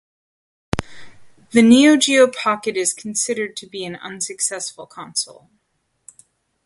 The Neo Geo Pocket is considered to be an unsuccessful console.